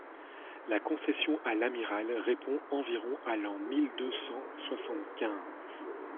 La concession à l'amiral répond environ à l'an mille deux cent soixante-quinze.